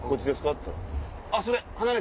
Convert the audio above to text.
「あっそれ！